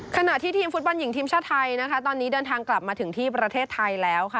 ขณะที่ทีมฟุตบอลหญิงทีมชาติไทยนะคะตอนนี้เดินทางกลับมาถึงที่ประเทศไทยแล้วค่ะ